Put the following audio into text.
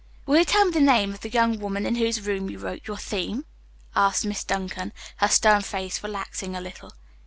"Will you tell me the name of the young woman in whose room you wrote your theme?" asked Miss Duncan, her stern face relaxing a little.